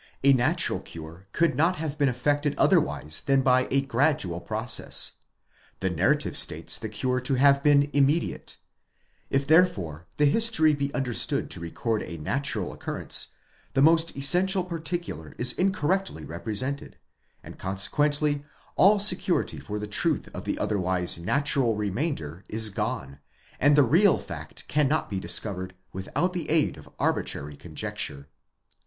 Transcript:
A natural cure could not have been effected otherwise than by a gradual process ; the narrative states the cure to have been immediate; if therefore the history be understood to record a natural occurrence, the most essential particular is incorrectly represented, and consequently all security for the truth of the otherwise natural remainder is gone, and the real fact cannot be discovered without the aid of arbitrary conjecture.